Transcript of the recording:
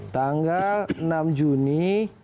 tanggal enam juni dua ribu dua belas